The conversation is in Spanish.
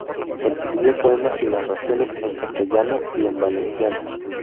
Escribió poemas y narraciones en castellano y en valenciano.